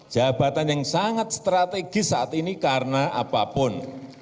jabatan yang sangat strategis saat ini karena apapun